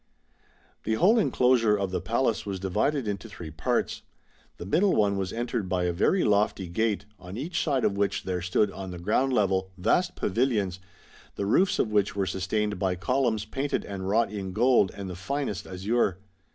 The whole enclosure of the Palace was divided into three parts. The middle one was entered by a very lofty gate, on each side of which there stood on the ground level vast pavilions, the roofs of which were sustained by columns painted and wrought in gold and the finest azure.